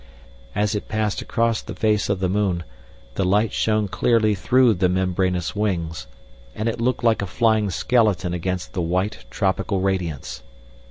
As it passed across the face of the moon the light shone clearly through the membranous wings, and it looked like a flying skeleton against the white, tropical radiance.